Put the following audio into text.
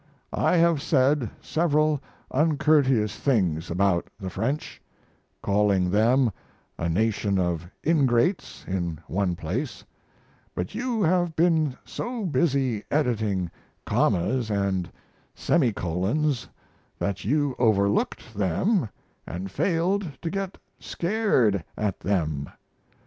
I have said several uncourteous things about the French calling them a "nation of ingrates" in one place but you have been so busy editing commas & semicolons that you overlooked them & failed to get scared at them.